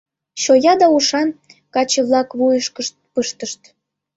«Чоя да ушан, — каче-влак вуйышкышт пыштышт.